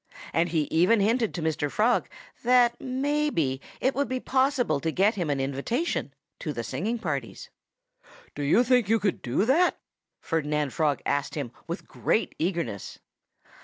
And he even hinted to Mr. Frog that maybe it would be possible to get him an invitation to the singing parties. "Do you think you could do that?" Ferdinand Frog asked him with, great eagerness.